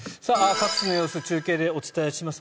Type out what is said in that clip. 各地の様子中継でお伝えします。